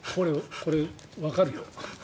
これ、わかる。